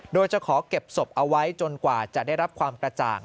โดยจะขอเก็บศพเอาไว้จนกว่าจะได้รับความกระจ่าง